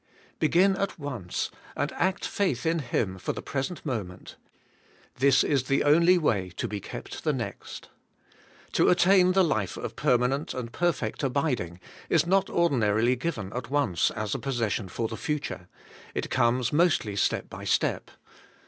Begin at once and act faith in Him for the present moment: this is the only way to be kept the next. To attain the life of permanent and perfect abiding is not ordinarily given at once as a possession for the future: it comes mostly step by step.